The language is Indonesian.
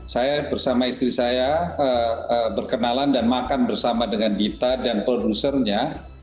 saya bersama istri saya berkenalan dan makan bersama dengan dita dan produsernya